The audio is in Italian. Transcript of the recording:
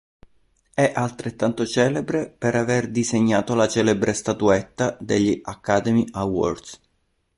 È altrettanto celebre per aver disegnato la celebre statuetta degli Academy Awards.